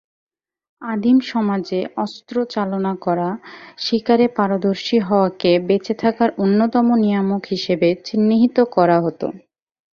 আদিম সমাজে অস্ত্র চালনা করা, শিকারে পারদর্শী হওয়াকে বেঁচে থাকার অন্যতম নিয়ামক হিসেবে চিহ্নিত করা হত।